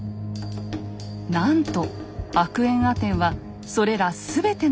なんとアクエンアテンはそれら全ての神を否定。